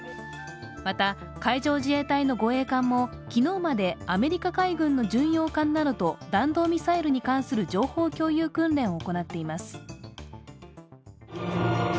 また、海上自衛隊の護衛艦も昨日までアメリカ海軍の巡洋艦などと弾道ミサイルに関する情報共有訓練を行っています。